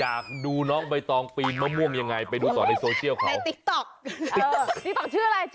อยากดูน้องใบตองปีนมะม่วงยังไงไปดูต่อในโซเชียลเขา